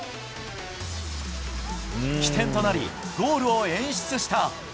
起点となりゴールを演出した。